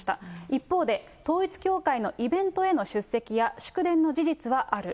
一方で、統一教会のイベントへの出席や、祝電の事実はある。